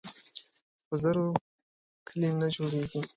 په زور کلي نه جوړیږي.